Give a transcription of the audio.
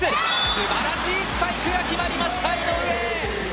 素晴らしいスパイクが決まりました、井上。